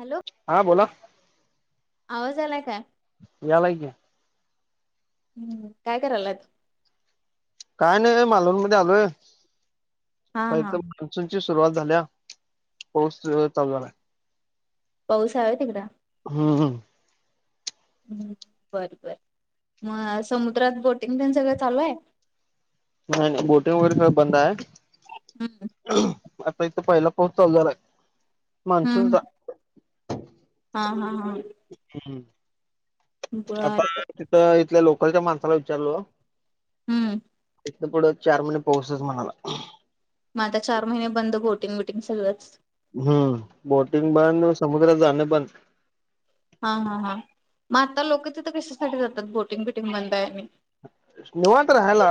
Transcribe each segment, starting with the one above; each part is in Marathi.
हॅलो हा बोला. आवाज आलाय काय? यालय की हम्म काय करायलात. काय नाही मालवण मध्ये आलोय. हा हा [unintelligible] सुरुवात झाल्या पाऊस जोरात चालू झाला. पाऊस हाय व्हय तिकडं? हम्म हम्म हम्म बर बर मग समुद्रात बोटिंग तेन सगळं चालू हाय. नाही नाही बोटिंग वगैरे सगळा बंद हाय हम्म आता इथं पहिला पाऊस चालू झाला. हम्म मानसूनचा हा हा हा हम्म बर आता बर तिथ इथल्या लोक [unintelligible] माणसाला विचारलो. हम्म इथन पुढं चार महिने पाऊसच म्हणाला. मग आता चार महिने बंद बोटिंग बिटिंग सगळच हम्म बोटिंग बंद, समुद्रात जाण बंद. हा हा हा मग आता लोक तिथं कशासाठी जातात बोटिंग बिटिंग बंद आणि मग निवांत राहायला.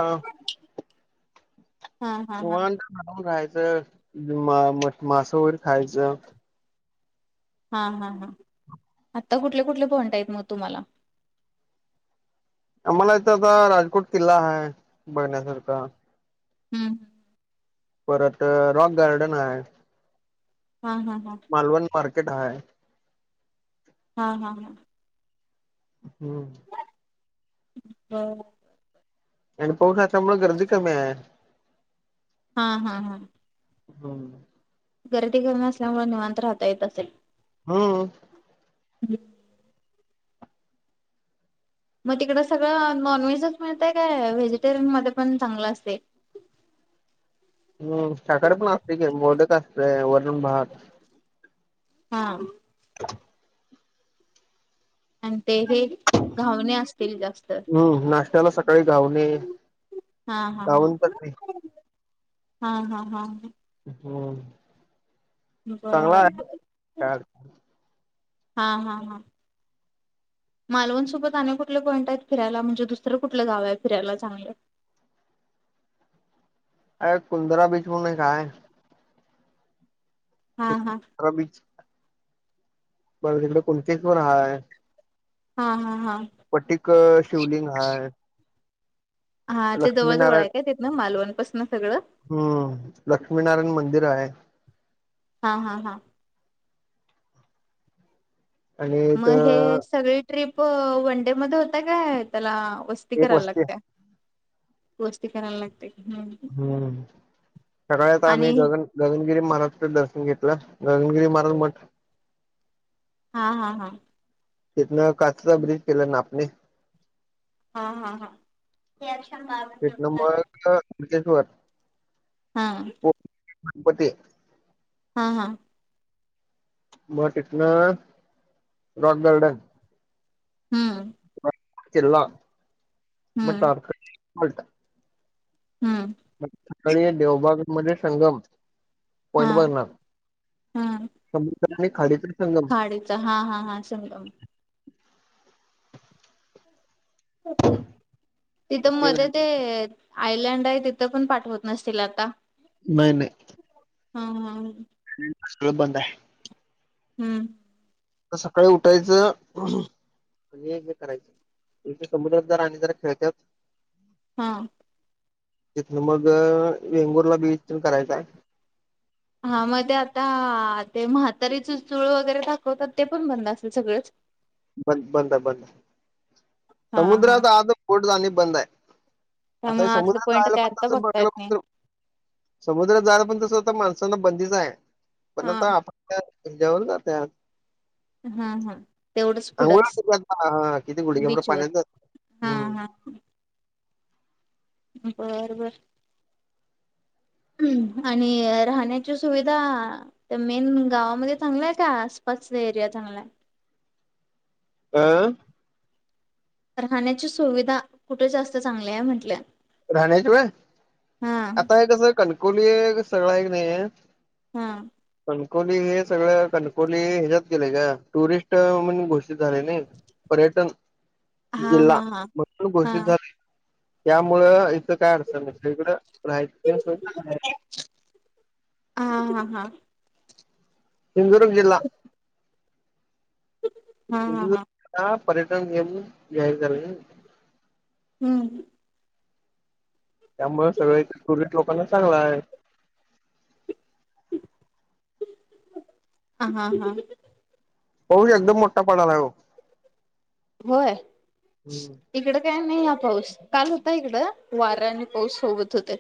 हा हा हा होय. मासा वैगरे खायचं. हा हा हा आता कुठले कुठले पॉईंट आहेत मग तुम्हाला आम्हाला इथ आता राजकोट किल्ला आहे. बगन्या सारखा, हम्म परत रॉक गार्डन आहे. हा हा हा पारकेट ह आहे हा हा हा हम्म हम् आणि पाऊसच्यामुळे गर्दी कमी आहे हा हा हा हम्म गर्दी कर नसल्यामुळे निवांत राहता येत असेल हम्म हम्म मग तिकड सगळं नॉनव्हेजच मिळतय काय व्हेजिटेरियन मध्ये पण चांगलं असते हम् सााखर पण असते का बलेक असतय वर्णन भाग हा आणि ते हे घावणे असते हम्म नाश्त्याला सकाळी गावणे हा हा गाऊन तर का नाही हा हा हा ह हम चगला बर बर हा हा हा मालवणसोबत अने कुठले पॉइंट आहेत फिरायला म्हणजे दुसरं कुठलं गाव आहे फिरायला चांगलं अ कुलंदरा बीच म्हणून एक काय हा हा मला तिकडे कुणतेस पण हय हा हा हा पट्टिक शिवलिंग हा हा ते जवळ जवळ लक्ष्मीनारायण आहे काय तिथनं मालवण पासन सगळं हम्म लक्ष्मीनारायण मंदिर आहे हा हा हा आणि त मग हे सगळी ट्रिप वनडे मध्ये होता काय त्याला वस्ती कराला लागत गोष्टी करायला लागते हम् सकाळ आता आम्ही आणि गगन गगनगिरी महाराज दर्शन घेत रनगिरी मारल मठ हा हा हा कतना कास ब्रिज केला नापने हा हा हा ते कलंं म खर हा. [unintelligible] हा हा. म तीतन रॉक गार्डन हम्म. सरला म हम्म तारकर्ली. [unintelligible] हम्म म सकाळी देवबाग. मध्ये संगम हा पॉईंट बघणार हा समुद्र आणि खाडीचा संगम खाडीच हा हा हा संगम. [unintelligible] तिथं मध्ये ते, आयलँड तिथं पण पाठवत नसतील आता? नाही नाही. हा हा. सगळ बंद हाय. हम्म. सकाळी उठायचं आणि हे करायच म्हणजे समुद्रात जरा आणि जरा खेळत्यात. हा. तिथून मग वेंगुर्ला बीच तेन करायचा. हा मग ते आता ते म्हातारी च चूळ वगैरे दाखवतात ते पण बंद असेतील सगळंच? ब बंद आहे बंद हा हा समुद्रात आता बोट जाणे बंद आय आता त्यामुळे हे आतलं समुद्रात पॉईंट जायला काय पण आत्ता तसच बघता येत नाही बघायला समुद्रात जायला पण तस आता माणस बंदीच आहे. पण हा आता आपण काय [unintelligible] हा हा. तेवढंच पुढंच [unintelligible] आता किती गुडघ्याबर बीचवर पाण्यात जातय हा हम. हा बर बर. ह् आणि राहण्याची सुविधा मेन गावामध्ये चांगल्याय का आसपासचा एरिया चांगलाय? आह? राहण्याची सुविधा कुठे जास्त चांगली आहे म्हंटल? राहण्याचीवय आता हे कसं कण कवली सगळा आहे क नाही हा. कणकोली हे सगळं कणकोली ह्याच्यात गेले ग टुरिस्ट म्हणून घोषित झाले नाही पर्यटन हा हा जिल्हा हा म्हणून घोषित हा झालय. त्या मु काय असडत म सकडं राहाच हा हा हा चिंगुर्ग जिल्हा हा श हा पर्यटन नियम याय कर हम् त्यामु सगळ इथे टुरिस्ट लोकांना चांगला आहे हा हा हा हो एकदम मोठा पणाला ग होय इकड काय नाही हा पाऊस काल होता इकडं वऱ्या आणि पाऊस सोबत होते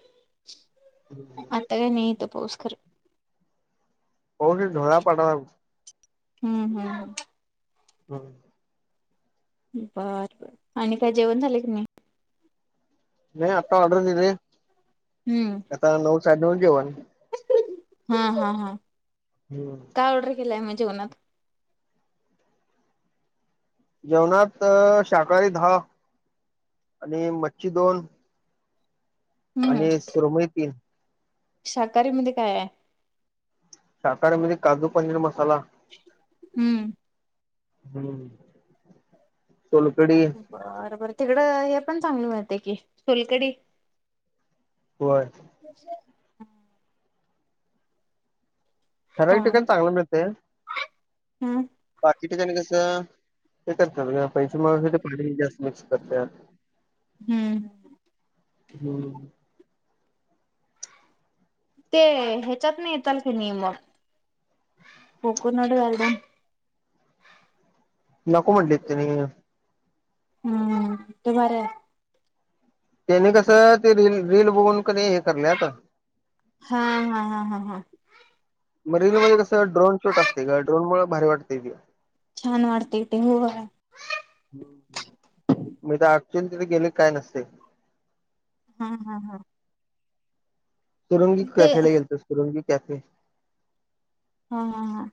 आता काय नाही तो तोस्करर हो धोळा पाडा हम्म हम्म हम हम् बर बर आणि काय जेवण झाले की नाही नाही आता ऑर्डर दि रे हम्म आता नऊ सा नऊ जेव हा हा हा काय ऑर्डर केलाय म्हणजे जगन्नाथ जेवणात शाकाहारी दहा आणि मच्छी दोन हम्म आणि सुरमई तीन शाकाहारी म काय आहे आ काजू पनीर म हम्म हो बरबर तिकड हे पण चांगली मिळते कि फलकडी होय म्हछा हम् ठराव हा ठिकाणी चांगलं मिळते हम्म क ठाणी कसं हे करतात पैच पाणी जास्त मिक्स करत हम्म हम्म ते ह्याच्यात नाही येताल काी नियमग कोकनड एकदम. नको म्हंटले तने हम्म बरं. त्यानी कस ते र रील बघून क नाही हे करलयाता. हा हा हा हा हा मरीन मध्ये कसं ड्रोन छोट असते का ड्रोन मु भारी वाटते. छान वातेटे हो. न तिथे गेले काय नसते. हम्म हम्म हम. सुुरंगी कॅफेला गेलो सुुरुंगित कॅफे हा हा हा.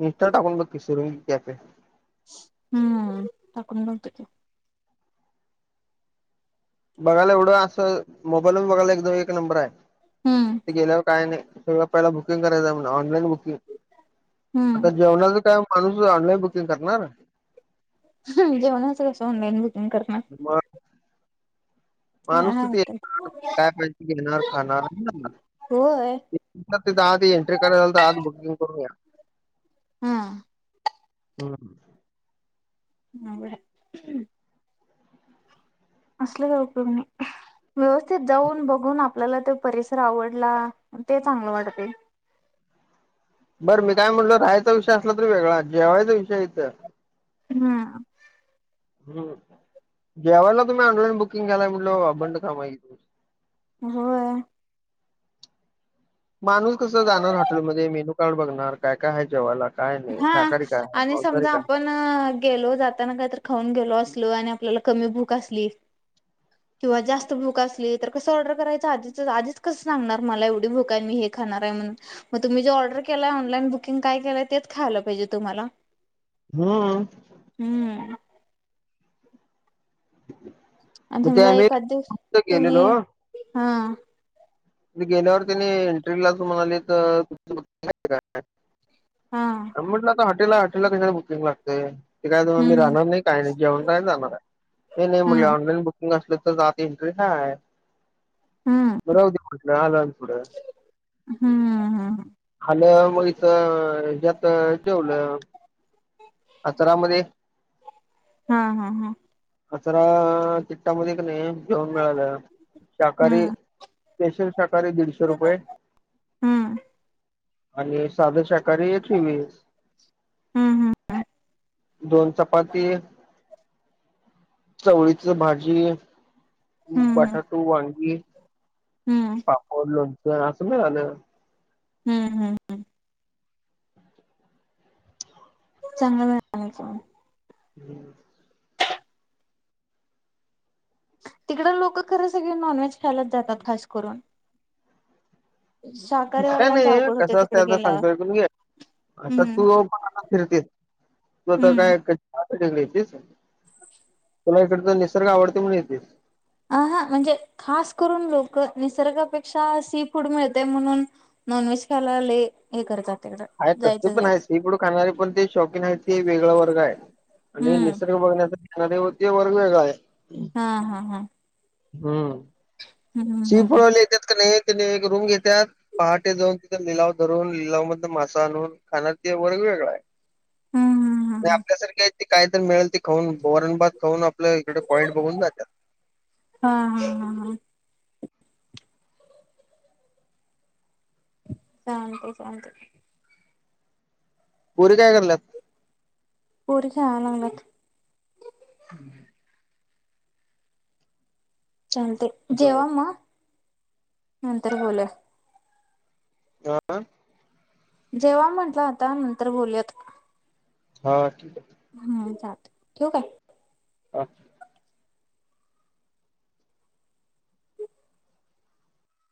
निष्ठा टाकून बघकी शरुंगी कॅपे हम्म तकण बोलतो की बघायला एवढं असं मोबाईल पण बघायला एक दो एक नंबर आहे. हम्म ते गेल्यावर काय नाही. होळ पहिला बुकिंग करायच आहे म्हण ऑनलाईन बुकिंग हम्म आता जेवणाचा टाइम म्हणूस ऑनलाईन बुकिंग करणार. जेवणाचं कसं ऑनलाईन बुकिंग करणार मग माणूस हा तर [unintelligible] ये होतंय. काय पाहिजे घेणार खाणार होय. आ एंट्री करायलाल तर आज बुकिंग करूया हम्म. हम्म. आवड हाय. असल काय उपयोग नाही. व्यवस्थित जाऊन बघून आप आपल्याला त परिसर आवडला ते चांगलं वाटते. बरं मी काय म्हटल राहायचा विषय असला तरी वेगळा जेवायचा विषय इथ हा हम्म जेवायला तुम्ही ऑनलाईन बुकिंग कलाय म्हटलं बंड का माहि होय. माणूस कस जाणार हॉटेलमध्ये मेनू कार्ड बघणार काय काय आहे जेवाला हा आणि समजा आपण गेलो जाताना काही तरी खाऊन गेलो असलो आणि आपला कमी भूक असली किंवा जास्त भूक असली तर कस ऑर्डर करायच आधीच आधीच कस सांगणार मला एवढी भूक आहे मी हे खाणार आहे म्हणून मग तुम्ही जे ऑर्डर केलाय ऑनलाईन बुकिंग काय केलय ते खायला पाहिजे तुम्हाला हम्म. हम्म [unintelligible] आणि मग ते समजा आम्ही एखाद दिवशी तुम्ही हा मी गेल्यावर त्याणी [unintelligible] म्हणालेत [unintelligible] हा आंबटला का हट हॉटेल ला हॉटेल ला कशाला बुकिंग लागतय ते काय मी हम्म राहणार नाही काय नाही जेवण काय जाणार आहे नाही ये नाही मी हम्म ऑनलाईन बुक नसलं तर जात इंटरे हाय हम्म राहू दे [unintelligible] हम्म हम्म हम्मं आलं मगच होज्यात जेवलं अतरामध्ये हा हा हा [inaudible] कचरा तिकटामध्ये क नाही घेऊन मिळालं शाकाहारी हम्म स्पेशल शाकाहारी दीडशे रुपये हम्म [inaudible] आणि साध शाक करी तेवीस हम्म दोन चपाती [inaudible] चवळीच भाजी हम्म बटाटू वांगी हम्म पापड लोणचं अस मिळालं हम्म हम्म हम्म चांगला मिळालं [unintelligible] हम्म तिकडं लोक खरं सगळे नॉनव्हेज खायलाच जातात खास करून [inaudible] अस काय शाकाहारीवाल्यांच नाही अवघड कस होते तिकडे असत सांगतो गेल्यावर ऐकूण घे आ ता हम्म तू [unintelligible] फिरतेस तू आता हम्म काय [unintelligible] [inaudible] तुला इकडच निसर्ग आवडतय म्हणून येतेस. अ हा म्हणजे खास करून लोक निसर्गापेक्षा सी फूड मिळतय म्हणून नॉनव्हेज खायला लई करतात तिकडं आहे तसली जायचं पण हाई जायचं सीफुड खाणारी पण ते शौकीिन आहेत ते वेगळा वर्गाय आणि हम्म निसर्ग बघण्याचा [unintelligible] त्यो वर्ग वेगळाय हा हा हा हम्म हम्म हम्म हम्म [unintelligible] येतात का नाही त्यानी एक रूम घेत्यात पहाटे जाऊन तिथं लिलाव धरून लिलाव मधन मासा आणून खाणार त वर्ग वेगळाय हम्म हम्म. हम्म हम्म आपल्यासारखे ते काय तर मिळेल ते खाऊन वरण भात खाऊन आपलं इकडे पॉईंट बघून जात्यात. हा हा हा हा चालत चालत. पोरं काय करायलात. पोरं खेळा लागल्यात. [unintelligible] चालते बर जेवा म नंतर बोलू या. हा. जेवा म्हटलं आता नंतर बोलयात. हा ठीक आहे. हा चाल ठेव काय. अच्छा.